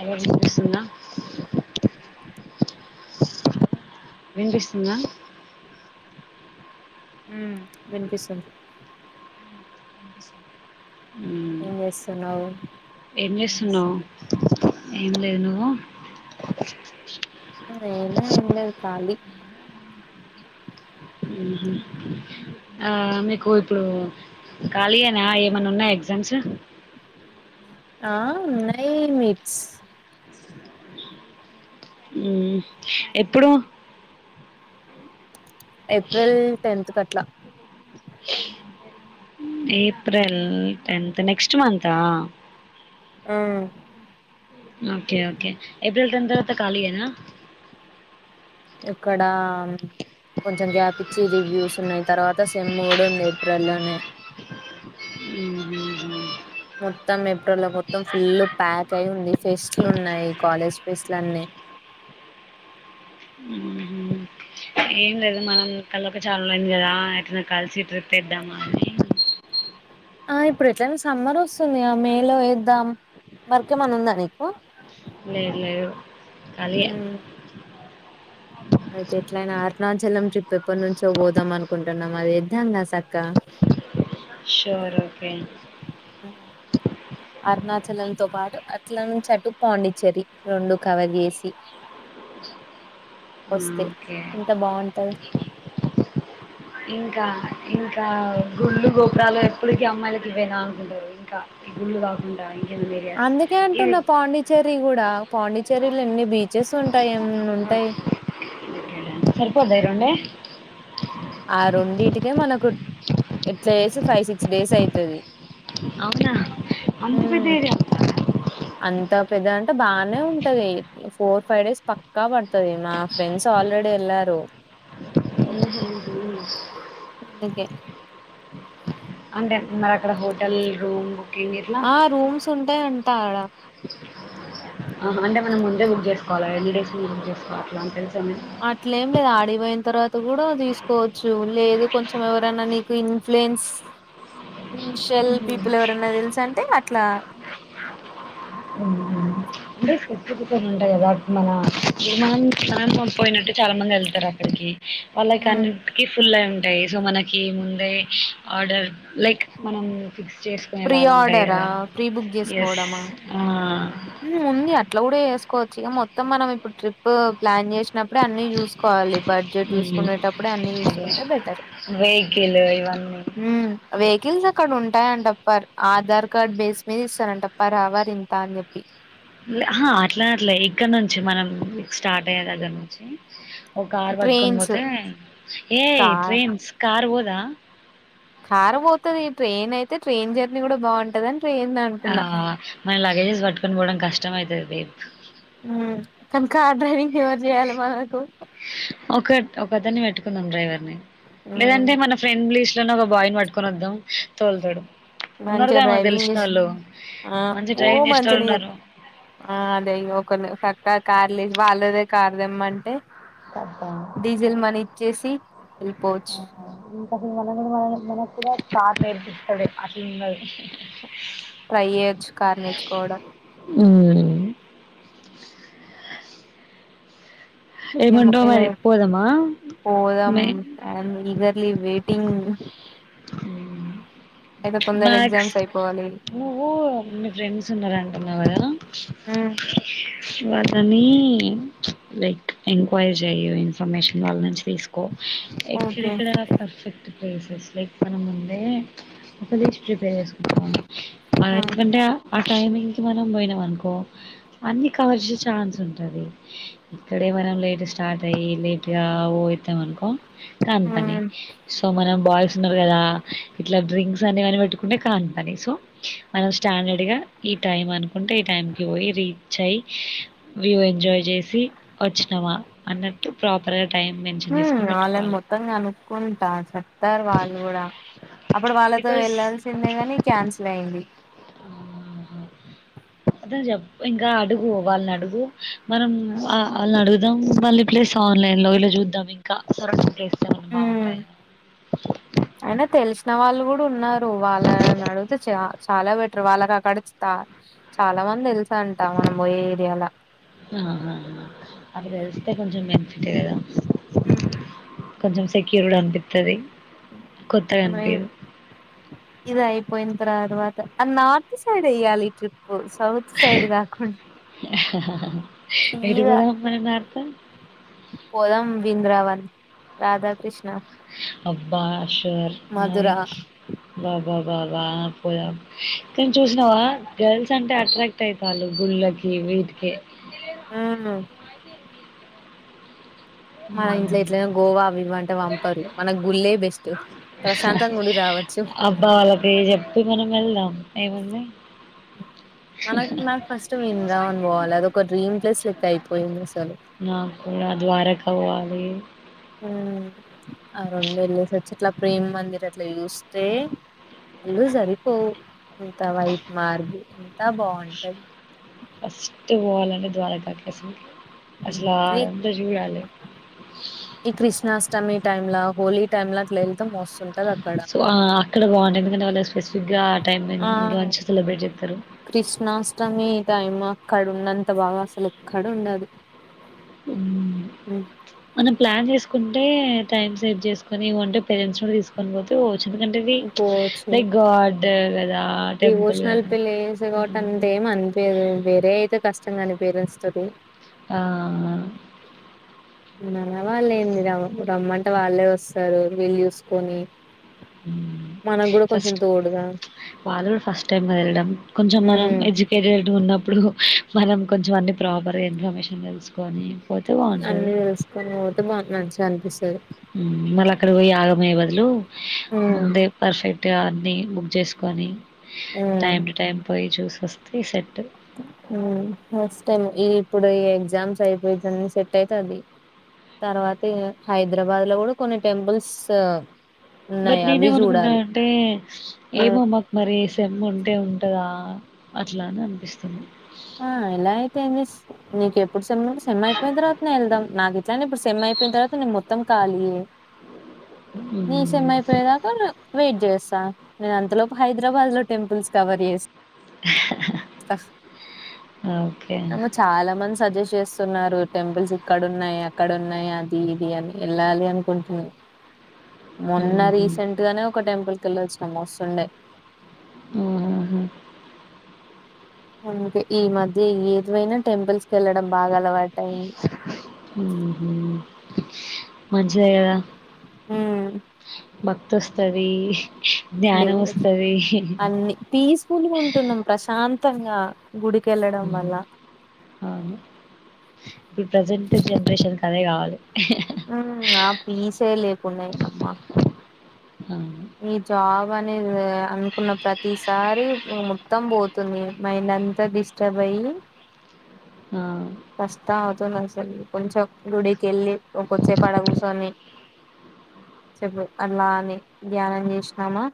ఎవరిచుపిస్తున్న వినిపిస్తుందా హ్మ్ వినిపిస్తుం మ్మ్. ఏం చేస్తున్నావ్ ఏం చేస్తున్నావ్ ఏం లేదు నువ్వు నేను ఏం లేదు కాళీ హ్మ్ హు ఆ మీకు ఇప్పుడు ఖాళీయేనా ఏమన్నా ఉన్నాయ ఎగ్జామ్స్ ఆ నై మీట్స్ హ్మ్ ఎప్పుడు ఏప్రిల్ టెన్త్ కట్లా ఏప్రిల్ టెన్త్ నెక్స్ట్ మంత్ ఆ అ ఓకే ఓకే ఎప్రిల్ టెన్త్ ఖాళీయేనా ఇక్కడ కొంచం గ్యాప్ ఇచ్చి రివ్యూస్ ఉన్నాయి తర్వాత సేమ్ కూడా ఉంది ఏప్రిల్ లో నే హ్మ్ హ్మ్ హు మొత్తం ఏప్రిల్ లో మొత్తం ఫుల్ ప్యాక్ అయి ఉంది ఫెస్ట్లు ఉన్నాయి కాలేజ్ ఫెస్ట్లన్ని మ్మ్. ఏం లేదు మనం కలవక చాలా రోజులు అయింది కదా ఎట్లన కలిసి ట్రిప్ ఏదమా అని ఇప్పుడు ఎట్లనా సమ్మర్ వస్తుంది మే లో వేద్దాం వరకేమన్నా ఉందా నీకు లే లే కలి ఉమ్ అయితే ఎట్ల అయినా అరుణాచలం ట్రిప్ ఎప్పటి నుంచో పోదాం అనుకుంటున్నాం అది ఇద్దాంంగా చక్కా ోర్ ఓకే అరుణాచలంతో చెరి రెండు కవ చేేసి ఓకే ఇంకా ఇంకా గుళ్ళు గోబరాలు ఎప్పటికి అమ్మాయిలకి ఇ పోయినా అనుకుంటారు ఇంకా గుళ్ళు తాకుంటా అందుకే అంటున్నా పాండిచ్చేరి కూడా పాండిచ్చేరిలో ఎన్ని బీచెస్ ంటాయి ఏమ ఉంటాయి ఎంతండే ఆ రెండిటికే మనకు ఎట్లా చేసి ఫైవ్ సిక్స్ డేస్ అవుతుది అవునా అంత పెద్దరి అంత పెద్ద అంటే బాగానే ఉంటది ఫోర్ ఫైవ్ డేస్ పక్కా పడుతుది మా ఫ్రెండ్స్ ఆల్రెడీ వెళ్లారు ఎందుకే అంటే మరి అక్కడ హోటల్ రూమ్ బుకింగ్ ఇట్లా ఆ రూమ్స్ ఉంటాయ అంటా ఆడ ఆ అంటే మనం ముందే బుక్ చేసుకోవాలి ఎన్ని డేస్ ముందు బుక్ చేసుకోవి అట్లా అ తెలుసు అట్లే ఏం లేదు ఆడిపోయిన తర్వాత కూడా తీసుకోవచ్చు లేదు కొంచెం ఎవరైనా నీకు ఇన్ఫ్లుయెన్స్ ఇన్షల్ పీపుల్ ఎవరన్న తెలుసు అంటే అట్లా అ అంటే స్ ఉంటాయి కదా మననం స్నానం పోయినట్టు చాలా మంది వెళ్తారు అక్కడికి వాళ్ళకని ఫుల్యి ఉంటాయి సో మనకి ముందే ఆర్డర్ లైక్ మనం ఫిక్స్ ప్రీ చేసుకునేలాగా ఉంటాయి ఆర్డరా కదా ప్రీ బుక్ ఎస్ చేసుకోవడమా ఉంది అట్లా కూడా వేసుకోవచ్చు ఇక మొత్తం మనం ఇప్పుడు ట్రిప్ ప్లాన్ చేసినప్పుడే అన్ని చూసుకోవాలి బడ్జెట్ చూసుకునేటప్పుడే అన్ని చూసుకుంటే బెటర్ వెేగి వెహకిల్ జ అక్కడ ఉంటాయంటప్ప ఆధార్ కార్డ్ బేస్ మీద ఇస్తారంటప్ప రావర్ ఇంత అని చెప్పి అట్లా అట్లే ఇక్కడ నుంచి మనం స్టార్ట్ అయ్య దగ్గర నుంచి ఓ కార్ పట్టుకని ట్రైన్స్ పోతే ఏ ట్రైన్స్ కార్ పోదా కారం పోతుంది ట్రైన్ అయితే ట్రైన్ జర్నీ కూడా బాగుంటదండి ఆ మన లగేజెస్ పట్టుకని పోవడం కష్టమ అవుతుది బీ కనుక డ్రైవింగ్ ఎవరు చేయాలి మనకు ఒక ఒక్కదన్నన్ని వెట్టుకుందం ్రైవర్ని లేదంటే మన ఫ్రెండ్ బంగ్లీష్ లోనే ఒక బాయ్ని పట్టుకొని వద్దాం తోలు తోడు ఉన్నారు మంచిగా కద మా డ్రైవింగ్ తెలిసిన చేసి వాళ్ళు ఆ మంచి ఓ ట్రైంగ్ చేస్తళ్ మంచినే ఉన్నారు ఆ అదే నక ఇ కార్ లేదు వాళ్ళదే కార్దమ్మంటే డీజిల్ మని ఇచ్చేసి వెళ్ళిపోవచ్చు కా ఫ మన మన మనకు కూడా చట్ నేర్పిస్తాడు అసలున్నది ట్రై చేయొచ్చు కార్ నేర్చుకోవడం ఉ ఏమంటావు ఇద మరి పోదామా? పోదాం మే ఈగర్లీ వెయిట్ తన్ మ్యాక్స్ ఎగ్జామ్స్ అయిపోవాలి నువ్వు మీ ఫ్రెండ్స్ ఉన్నంటున్నావు కదా ఉమ్ వాతని లైక్ ఎంక్వైరీ చెయ ఇన్ఫర్మేషన్ వాళ్ళ నుంచి తీసుకో ఓకే ఎక్కడెక్కడ పర్ఫెక్ట్ ప్లేసెస్ లైక్ మనం ముందే అ తె ప్రిపేర్ చేసుకున్నాను మాది ఆ ఎట్లుందంటే అ టైమింగ్కి మనం పోయినాం అనుకో అన్ని కవర్ ఛాన్స్ ఉంటది ఇక్కడే మనం లేట్ స్టార్ట్ అయ్యి లేట్ గావు పోతాం అనుకో కాని పని ఉమ్ సో మనం బాయ్స్ ఉన్నారు కదా ఇట్లా డ్రింక్ అని పెట్టుకుంటే కాపని సో మనం స్టాండర్డ్ గా ఈ టైం అనుకుంటే ఈ టైం కి పోయి ఇ చేయ్ ఎంజాయ్ చేసి వచ్చినామా అన్నట్టు ప్రాపర్ గా ఉ వాళ్ళని మొత్తంగా అనుక్కుంటా చెప్తారు వాళ్ళు కూడా అప్పుడు వాళ్ళతో బికాస్ వెళ్లాల్సిందే గాని క్యాన్సిల్ అయింది ఆ అదే చెప్ప ఇంకా అడుగు వాళ్ళని అడుగు మనం వాళ్ళని అడుగుదాం మళ్ళ ప్లేస్ ఆన్లైన్ లో ఇలా చూద్దాం ఇంకా సరంగ్ ఉ అయినా తెలిసిన వాళ్ళు కూ డు ఉన్నారు వాళ్ళని అడిగితే చ చాలా బెటర్ వాళ్ళకి అక్కడ చాలా మంది తెలు అంటా మనం పోయే ఏరియాల ఆ అట్ట తెలిస్తే కొంచెం బెనిఫిటె కదా ఉమ్ కొంచెం సెక్యూర్ గా అనిపిస్తది ఇది అయిపోయి తరువాత వాత ఆ నార్త్ సైడ్ ఎయ్యాలి ట్రిప్ సౌత్ సైడ్ కాకున్ ఎటు సీగా పోదాం మనం నార్త పోదం వింద్రావన్ రాధాకృష్ణ అబ్బా అషర్ మధుర నాయిన్స్ బ బా బాబా పోదాం కానీ చూసినావా గర్ల్స్ అంటే అట్రాక్ట్ అయిత గుళ్ళకి ఈ వీట్కి ఆ మన ఇంట్లో హ్మ్. ఎట్లయినా గోవావి ఇవ్వంటే పంపరు మనకు గుళ్లే బెస్ట్ ప్రశాంతంగా ఉండి రావ అబ్బా వాళ్ళకి చెప్పి మనం వెళ్దాం ఏముంది మనకి నాకు ఫస్ట్ వినరాం అని పోవాలి అద ఒక డ్రీమ్ ప్లేస్ లెక్క అయిపోయింది అసలు ఆ నా ద్వారక పోవాలి ఉ ఆ రెండు వెళ్ళేసిచ్చిట్లా ప్రేమ్ మందిర్ అట్లా చూస్తే అల్లు సరిపోవు ఇంత వైట్ మార్బుల్ బాగుంటది ఫస్ట్ పోవాలండి ద్వారకాకి అసలు అదంతా చూడాలి. ఈ కృష్ణాష్టమీ టైమ్లా హోలీ టైమ్ లా అట్లా వెళ్తే మస్త్ ఉన్ సో ఆ అక్కడ బాగుంటాయి ఎందుకంటే వాళ్ళ స్పెసిఫిక్ గా ఆ కృష్ణాష్టమి టైమా అక్కడ ఉన్నంత బాగా అసలు ఎక్కడ ఉండదు హ్మ్. మనం ప్లాన్ చేసుకుంటే టైం సేవ్ చేసుకొని ఇ్వంటే పేరెంట్స్ కూడా తీసుకొని పోతే ఎందుకంటేది పోవచ్చు లైక్ గాడ్ కదా టెంపుల్ డివోషనల్ కదా. పిళ్లి వ కాబట్టి అంతేమి అనిపియదు వేరే అయితే కష్టంగా అనిపియదు పేరెంట్స్ తోటి ఆ మన వాళ్ళు ఏందిరా రమ్మంటే వాళ్ళే వస్తారు వీలు చూసుకొని హ్మ్. మనకు కూడా కొంచెం ఫస్ట్ తోడుగా వాళ్ళు కూడా ఫస్ట్ టైమ్ కదా వెళ్ళడం కొంచెం మనం ఎడ్యుకేటెడ్ ఉన్నప్పుడు మనం కొంచెం అన్ని ప్రాపర్ ఇన్ఫర్మేషన్ తెలుసుకొని పోతే బావుంటది. అన్నీ తెలుసుకొని పోతే బా మంచిగా అనిపిస్తుది ఉమ్ మళ్ళ అక్కడ పోయి ఆగమయ్యే బదులు ముందే పర్ఫెక్ట్ గా అన్ని ఉ చేసుకొని టైం టు టైం పోయి చూసి వస్తే సెట్ ఉ ఫస్ట్ టైమ్ ఇ ఇప్పుడు ఈ ఎగ్జామ్స్ అయిపోతనే సెట్ అయితది తర్వాత హైదరాబాద్ లో కూడా కొన్ని టెంపుల్స్ బట్ ఉన్నాయి అవి చూడాలి నేనేమనుకుంటన్నానంటే ఏమో మాకు మరి సేమ్ ఉంటే ఉంటదా అట్లా అని అనిపిస్తుంది ఆ ఇలా అయితే ఏందిస్ నీకు ఎప్పుడు సేమ్ సేమ్ అయిపోయిన తర్వాత నే వెళ్దాం నాకు ఇట్లానే ఇప్పుడు సెమై అయిపోయిన తర్వాత నిన్ మొత్తం కాలియే నీ హ్మ్. సెమైపోయేదాకా వెయిట్ చేస్తా నేను అంతలోపు హైదరాబాద్ లో టెంపుల్స్ కవర్ చేస్ త ఓకే మంది సజెస్ట్ చేస్తున్నారు టెంపుల్స్ ఇక్కడ ఉన్నాయ్ అక్కడ ఉన్నాయ్ అది ఇది అని వెళ్ళాలి అనుకుంటున్నా మొన్న హుహు. రీసెంట్ గానే ఒక టెంపుల్ కెలోచ్చిన మస్తుండే మ్ మ్ హు అందుకే ఈ మధ్య ఏదవైనా టెంపుల్స్ కేళ్లడం బాగా అలవాటు అయింది మ్ హు మంచిదే కదా ఉమ్ భక్తి వస్తది అన్ని పీస్ఫుల్గా ఉంటున్నాం ప్రశాంతంగా గుడికెళ్ళడం హు మ్ వల్ల అవును ప్రెసెంట్ జెనరేషన్ అదే కావాలి హుమ్ ఆ పీసే లేకుండేయిందమ్మ ఆ ఈ జాబ్ అనేది అనుకున్న ప్రతిసారి మొత్తం పోతుంది మై అంత డిస్టర్బ్ అయి ఆ కష్టం అవుతుంది అసలు కొంచెం గుడికేళ్ళి ఓ కొసేపడ కూర్చొని చెప్పు అలాని ధ్యానం చేసినామా